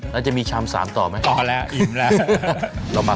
แล้วจะมีชามสามต่อมั้ย